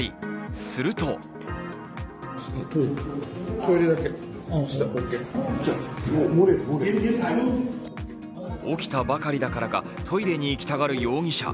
すると起きたばかりだからかトイレに行きたがる容疑者。